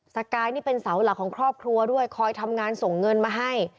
สกายนี่เป็นเสาหลักของครอบครัวด้วยคอยทำงานส่งเงินมาให้